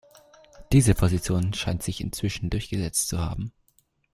Diese Position scheint sich inzwischen durchgesetzt zu haben.